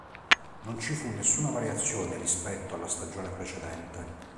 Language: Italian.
Non ci fu nessuna variazione rispetto alla stagione precedente.